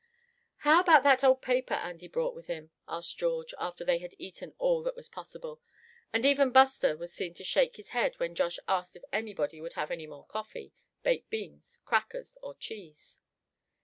"How about that old paper Andy brought with him?" asked George, after they had eaten all that was possible; and even Buster was seen to shake his head when Josh asked if anybody would have any more coffee, baked beans, crackers, or cheese.